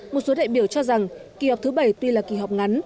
một số đại biểu cho rằng kỳ họp thứ bảy tuy là kỳ họp ngắn